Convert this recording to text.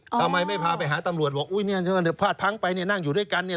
ทำไมไม่พาไปหาตำรวจบอกอุ้ยเนี่ยพลาดพังไปเนี่ยนั่งอยู่ด้วยกันเนี่ย